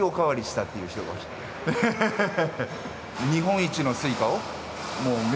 ハハハハハ。